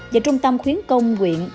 và trung tâm khuyến công quyện